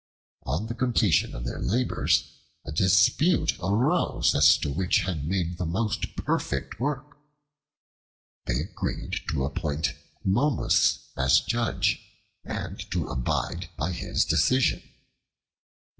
On the completion of their labors, a dispute arose as to which had made the most perfect work. They agreed to appoint Momus as judge, and to abide by his decision.